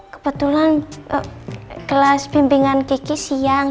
kebetulan kelas bimbingan kiki siang